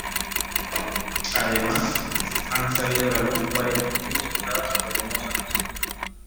Además, han salido a la luz varias copias usadas por Mozart y su familia.